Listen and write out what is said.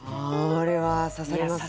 これは刺さりますね。